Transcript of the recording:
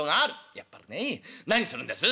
「やっぱりね。何するんです？」。